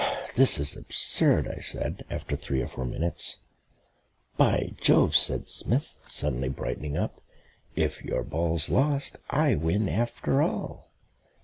"This is absurd," I said, after three or four minutes. "By jove!" said Smith, suddenly brightening up. "If your ball's lost I win after all."